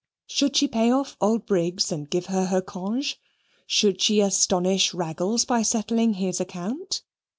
Should she pay off old Briggs and give her her conge? Should she astonish Raggles by settling his account?